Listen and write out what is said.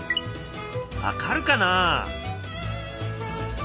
分かるかな？